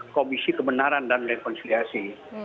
komisi kebenaran dan rekonsiliasi